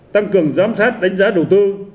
tăng cường giám sát đánh giá đầu tư